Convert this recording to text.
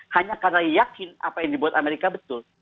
hanya karena yakin apa yang dibuat amerika betul